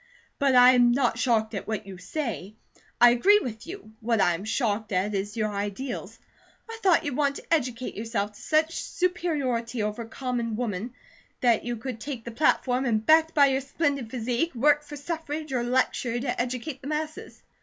"But I am not shocked at what you say, I agree with you. What I am shocked at is your ideals. I thought you'd want to educate yourself to such superiority over common woman that you could take the platform, and backed by your splendid physique, work for suffrage or lecture to educate the masses."